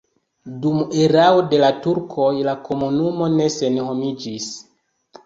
Dum erao de la turkoj la komunumo ne senhomiĝis.